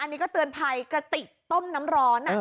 อันนี้ก็เตือนภัยกระติกต้มน้ำร้อน